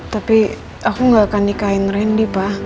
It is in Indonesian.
tapi aku nggak akan nikahin randy pak